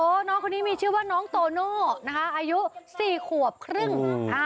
โอ้น้องคนนี้มีชื่อว่าน้องโตโน่อายุ๔ขวบครึ่ง